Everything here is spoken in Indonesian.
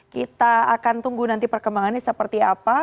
kita akan tunggu nanti perkembangannya seperti apa